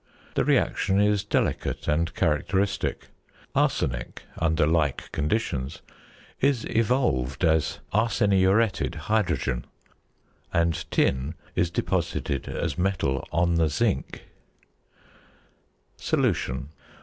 The reaction is delicate and characteristic; arsenic under like conditions is evolved as arseniuretted hydrogen, and tin is deposited as metal on the zinc. ~Solution.